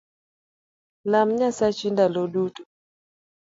Lam Nyasachi ndalo duto